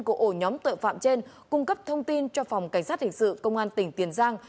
của ổ nhóm tội phạm trên cung cấp thông tin cho phòng cảnh sát hình sự công an tỉnh tiền giang